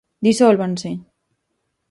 "Disólvanse!".